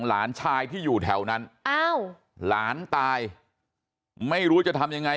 หลานชายที่อยู่แถวนั้นอ้าวหลานตายไม่รู้จะทำยังไง